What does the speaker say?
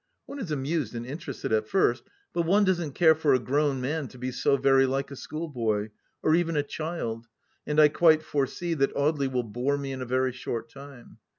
One is amused and interested at first, but one doesn't care for a grown man to be so very like a schoolboy — or even a child, and I quite foresee that Audely will bore me in a very short time.